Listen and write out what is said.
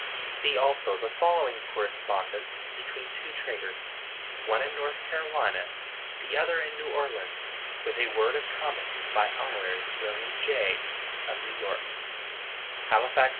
See also the following correspondence between two traders, one in North Carolina, the other in New Orleans; with a word of comment, by Hon. William Jay, of New York: _Halifax, N.